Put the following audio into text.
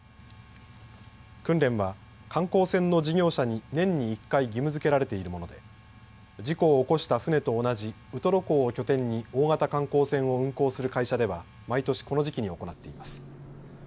訓練は観光船の事業者に年に１回義務づけられているもので事故を起こした船と同じウトロ港を拠点に大型観光船を運航する会社では毎年この時期に行っています。